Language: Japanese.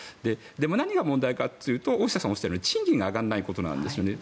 でも何が問題かというと大下さんがおっしゃるように賃金が上がらないことなんですよね。